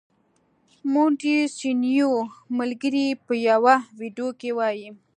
مونټیسینویو ملګری په یوه ویډیو کې وايي.